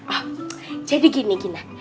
oh jadi gini gina